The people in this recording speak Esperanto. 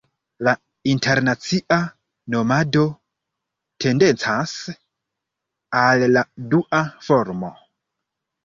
La internacia nomado tendencas al la dua formo.